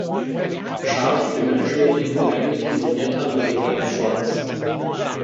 Charles eventually married Henrietta Maria of France.